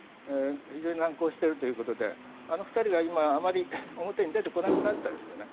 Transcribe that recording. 非常に難航しているということであの２人が今、あまり表に出てこなくなったですよね。